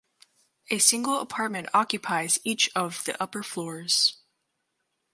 A single apartment occupies each of the upper floors.